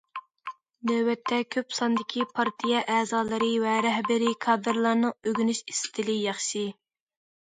نۆۋەتتە، كۆپ ساندىكى پارتىيە ئەزالىرى ۋە رەھبىرىي كادىرلارنىڭ ئۆگىنىش ئىستىلى ياخشى.